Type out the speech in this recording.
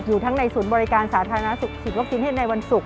อยู่ทั้งในศูนย์บริการสาธารณสุขฉีดวัคซีนให้ในวันศุกร์